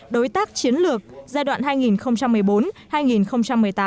đối tác chiến lược giai đoạn hai nghìn một mươi bốn hai nghìn một mươi tám